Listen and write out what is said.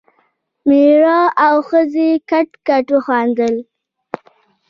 مېړه او ښځې کټ کټ وخندل.